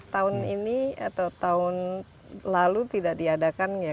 tahun ini atau tahun lalu tidak diadakan ya